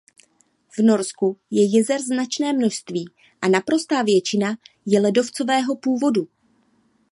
V Norsku je jezer značné množství a naprostá většina je ledovcového původu.